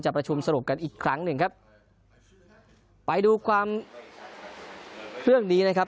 ประชุมสรุปกันอีกครั้งหนึ่งครับไปดูความเรื่องนี้นะครับ